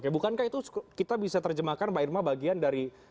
bukankah itu kita bisa terjemahkan mbak irma bagian dari